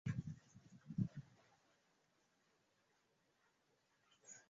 Usiku bei ni karibu dola thelathini